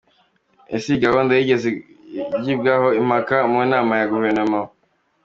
Ese iyi gahunda yigeze igibwaho impaka mu nama ya guverinoma ?